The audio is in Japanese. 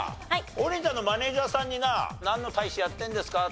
王林ちゃんのマネジャーさんにななんの大使やってるんですかって